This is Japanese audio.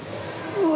うわ！